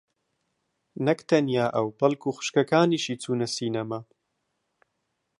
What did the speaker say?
نەک تەنیا ئەو بەڵکوو خوشکەکانیشی چوونە سینەما.